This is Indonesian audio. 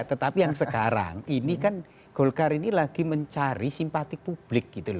tetapi yang sekarang ini kan golkar ini lagi mencari simpatik publik gitu loh